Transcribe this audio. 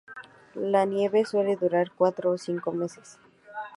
La nieve suele durar cuatro o cinco meses.